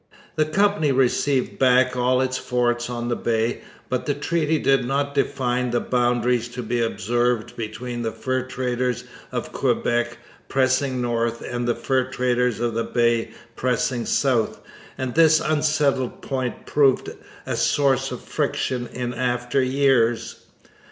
The Company received back all its forts on the Bay; but the treaty did not define the boundaries to be observed between the fur traders of Quebec pressing north and the fur traders of the Bay pressing south, and this unsettled point proved a source of friction in after years.